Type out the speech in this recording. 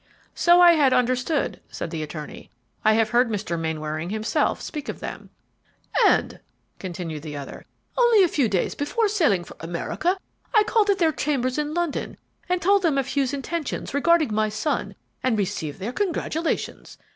"So I had understood," said the attorney; "I have heard Mr. Mainwaring himself speak of them." "And," continued the other, "only a few days before sailing for America, I called at their chambers in London and told them of Hugh's intentions regarding my son and received their congratulations.